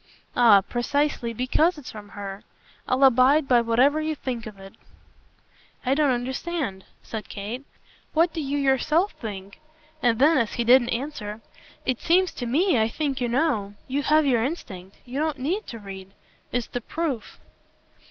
"Ah precisely because it's from her. I'll abide by whatever you think of it." "I don't understand," said Kate. "What do you yourself think?" And then as he didn't answer: "It seems to me I think you know. You have your instinct. You don't need to read. It's the proof."